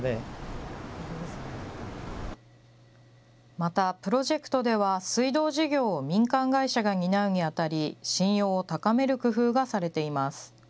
また、プロジェクトでは、水道事業を民間会社が担うにあたり、信用を高める工夫がされています。